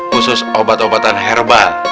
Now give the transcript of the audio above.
khusus obat obatan herbal